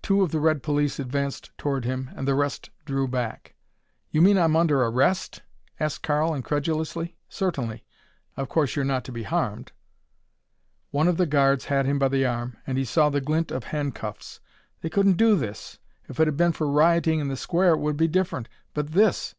Two of the red police advanced toward him and the rest drew back. "You mean I'm under arrest?" asked Karl incredulously. "Certainly. Of course you're not to be harmed." One of the guards had him by the arm and he saw the glint of handcuffs. They couldn't do this! If it had been for rioting in the Square it would be different. But this!